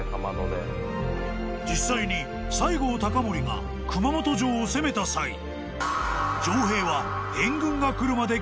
［実際に西郷隆盛が熊本城を攻めた際援軍が来るまで］